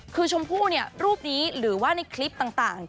คือชมพู่รูปนี้หรือว่าในคลิปต่าง